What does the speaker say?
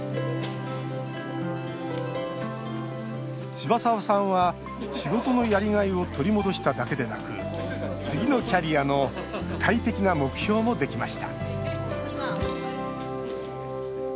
柴澤さんは仕事のやりがいを取り戻しただけでなく次のキャリアの具体的な目標もできました